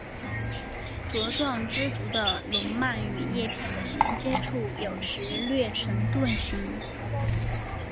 茁壮植株的笼蔓与叶片的衔接处有时略呈盾形。